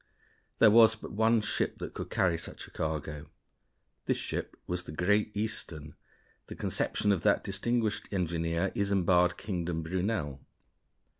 There was but one ship that could carry such a cargo. This ship was the Great Eastern, the conception of that distinguished engineer, Isambard Kingdom Brunel.